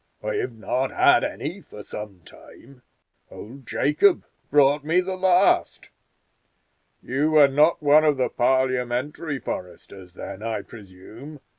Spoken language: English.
I have not had any for some time. Old Jacob brought me the last. You are not one of the Parliamentary foresters, then, I presume?"